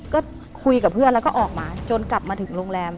ก็คุยกับเพื่อนแล้วก็ออกมาจนกลับมาถึงโรงแรม